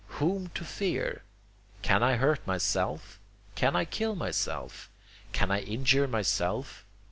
Whom to fear? Can I hurt myself? Can I kill myself? Can I injure myself?